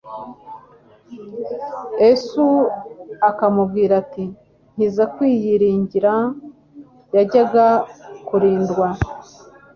esu akamubwira ati: «Nkiza kwiyiringira,» yajyaga kurindwa.